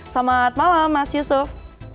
selamat malam mas yusuf